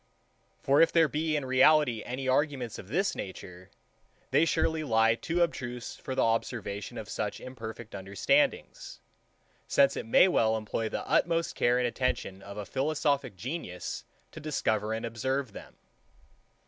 For if there be in reality any arguments of this nature, they surely lie too abstruse for the observation of such imperfect understandings; since it may well employ the utmost care and attention of a philosophic genius to discover and observe them.